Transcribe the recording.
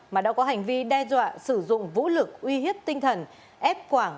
mà đã có hành vi đe dọa sử dụng vũ lực uy hiếp tinh thần ép quảng